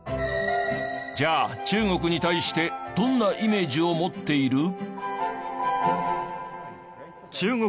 じゃあ中国に対してどんなイメージを持っている？